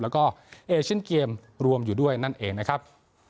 แล้วก็เอเชียนเกมรวมอยู่ด้วยนั่นเองนะครับ